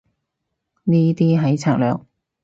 呢啲係策略